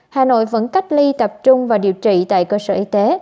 hà nội vẫn cách ly tập trung và điều trị tại cơ sở y tế